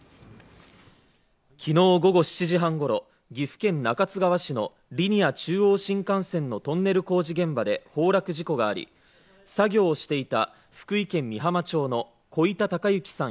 昨日午後７時半ごろ岐阜県中津川市のリニア中央新幹線のトンネル工事現場で崩落事故があり作業をしていた福井県美浜町の小板孝幸さん